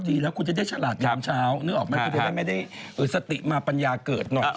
ก็ดีแล้วคุณจะได้ฉลาดกลางเช้านึกออกมั้ยคุณไม่ได้สติมาปัญญาเกิดหน่อย